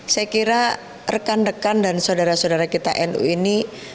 saya kira rekan rekan dan saudara saudara kita nu ini